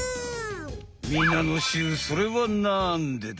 みなのしゅうそれはなんでだ？